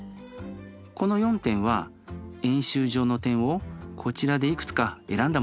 この４点は円周上の点をこちらでいくつか選んだものです。